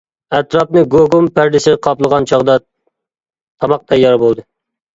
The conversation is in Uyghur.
ئەتراپنى گۇگۇم پەردىسى قاپلىغان چاغدا تاماق تەييار بولدى.